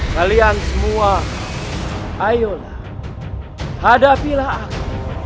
kalian semua ayolah hadapilah aku